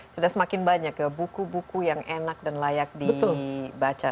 semakin banyak buku buku yang enak dan layak dibaca